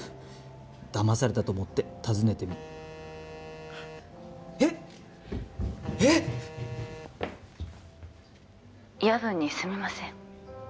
「だまされたと思って訪ね」えっええっ☎夜分にすみません